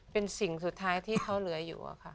เป็นสิ่งสุดท้ายที่เขาเหลืออยู่อะค่ะ